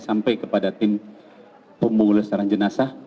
sampai kepada tim pemulih saran jenazah